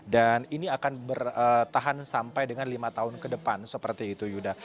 dan ini akan bertahan sampai dengan lima tahun ke depan seperti itu yuda